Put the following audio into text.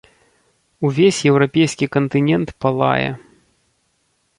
Увесь еўрапейскі кантынент палае.